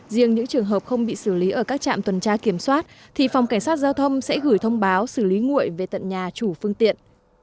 riêng những trường hợp không bị xử lý ở các trạm tuần tra kiểm soát thì phòng cảnh sát giao thông sẽ gửi thông báo xử lý nguội về tận nhà chủ phương tiện